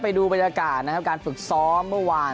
ไปดูบรรยากาศนะครับการฝึกซ้อมเมื่อวาน